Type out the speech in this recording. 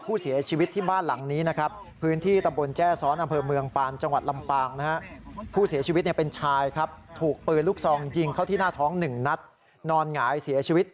ผู้เสียชีวิตที่บ้านหลังนี้